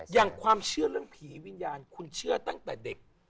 อย่างความเชื่อเรื่องผีวิญญาณคุณเชื่อตั้งแต่เด็ก